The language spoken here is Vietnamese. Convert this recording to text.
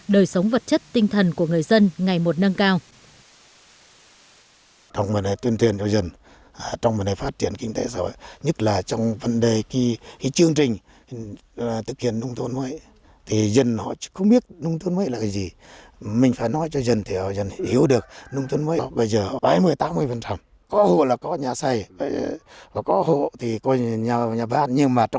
đời sống vật chất tinh thần của người dân ngày một nâng cao